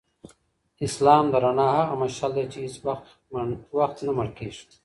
اسلام د رڼا هغه مشعل دی چي هیڅ وختنه مړ کیږي.